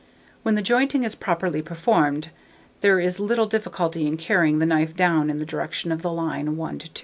When the jointing is properly performed, there is little difficulty in carrying the knife down in the direction of the line 1 to 2.